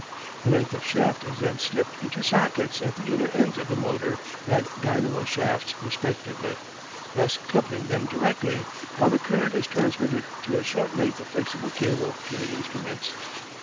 A length of shaft is then slipped into sockets at the inner ends of the motor and dynamo shafts respectively, thus coupling them directly, while the current is transmitted through a short length of flexible cable to the instruments.